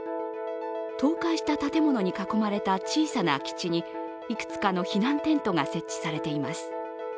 倒壊した建物に囲まれた小さな空き地にいくつかの避難テントが設置されています。